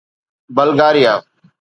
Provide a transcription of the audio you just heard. Bulgaria